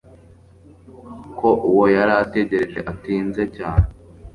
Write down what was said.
ko uwo yarategereje atinze cyane